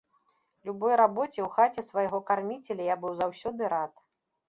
Любой рабоце ў хаце свайго карміцеля я быў заўсёды рад.